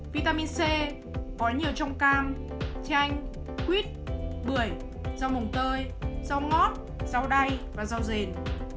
vitamin c có nhiều trong cam chanh quýt bưởi rau mồng tơi rau ngót rau đay và rau rền